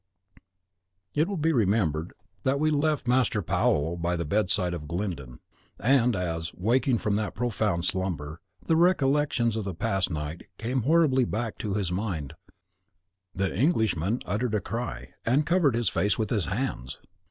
It will be remembered that we left Master Paolo by the bedside of Glyndon; and as, waking from that profound slumber, the recollections of the past night came horribly back to his mind, the Englishman uttered a cry, and covered his face with his hands.